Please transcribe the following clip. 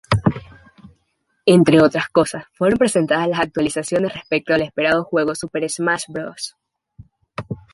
Entre otras cosas, fueron presentadas las actualizaciones respecto al esperado juego Super Smash Bros.